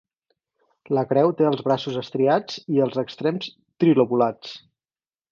La creu té els braços estriats i els extrems trilobulats.